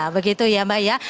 begitu ya mbak ya